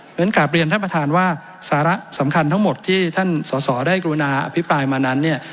งั้นกลับเรียนท่านประธานว่าสาระสำคัญทั้งหมดที่ท่านสอสอได้กรุณาอภิปรายมานั้นเนี่ย